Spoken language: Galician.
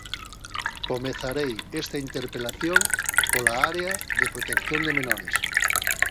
Comezarei esta interpelación pola área de protección de menores.